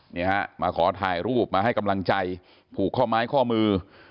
นี่ฮะมาขอถ่ายรูปมาให้กำลังใจผูกข้อไม้ข้อมือ